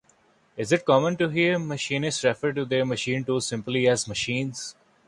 It is common to hear machinists refer to their machine tools simply as "machines".